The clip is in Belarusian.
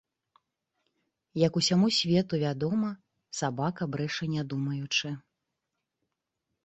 Як усяму свету вядома, сабака брэша не думаючы.